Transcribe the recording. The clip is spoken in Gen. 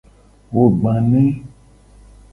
Wo gba ne.